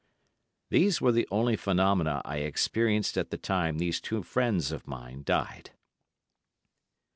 These were the only phenomena I experienced at the time these two friends of mine died.